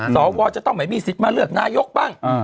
สวจะต้องไม่มีสิทธิ์มาเลือกนายกบ้าง